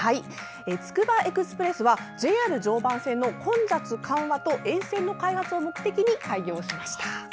つくばエクスプレスはＪＲ常磐線の混雑緩和と沿線の開発を目的に開業しました。